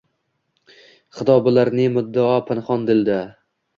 Xudo bilar ne muddao pinhon dilda.